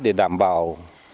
để đảm bảo